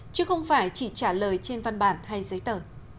chứ không phải chỉ trả lời trên văn bản hay giấy tờ